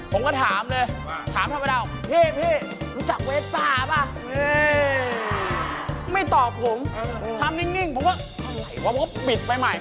ผมก็ถามเลยถามทำไมด้าวพี่รู้จักเวสป้าป่ะไม่ตอบผมทำนิ่งผมก็ปิดไปใหม่